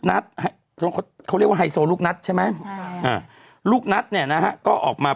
นัดเขาเรียกว่าลูกนัดใช่ไหมลูกนัดเนี่ยนะฮะก็ออกมา